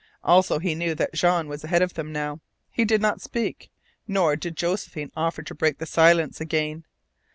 Also he knew that Jean was ahead of them now. He did not speak, nor did Josephine offer to break the silence again.